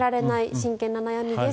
真剣な悩みです。